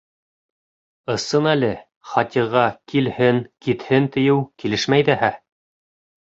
Ысын әле, Хатиға «килһен», «китһен» тиеү килешмәй ҙәһә.